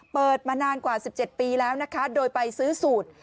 เปิดมานานกว่า๑๗ปีแล้วนะคะโดยไปซื้อสูตร